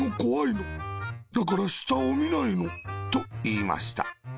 だから、したをみないの。」といいました。